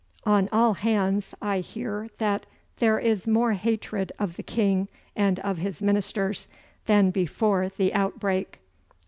'On all hands I hear that there is more hatred of the King and of his ministers than before the outbreak.